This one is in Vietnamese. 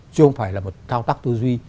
chứ không phải là một thao tác tư duy